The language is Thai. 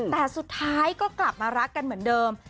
แต่สุดท้ายก็กลับมารักกันเหมือนเดิม